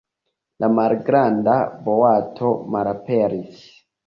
La malgranda boato malaperis!